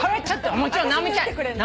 もちろん直美ちゃん。